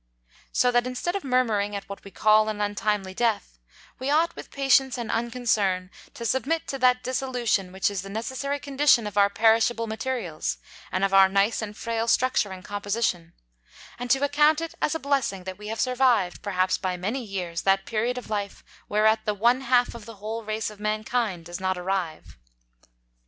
So that instead of murmuring at what we call an untimely Death, we ought with Patience and Unconcern to submit to that Dissolution which is the necessary Condition of our perishable Materials, and of our nice and frail Structure and Composition: And to account it as a Blessing that we have survived, perhaps by many Years, that Period of Life, whereat the one half of the whole Race of Mankind does not arrive.